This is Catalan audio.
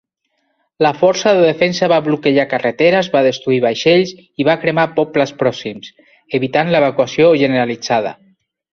La força de defensa va bloquejar carreteres, va destruir vaixells i va cremar pobles pròxims, evitant l'evacuació generalitzada.